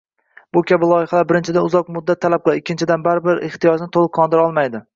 Bu kabi loyihalar, birinchidan, uzoq muddat talab qiladi, ikkinchidan, baribir ehtiyojni toʻliq qondira olmaydi.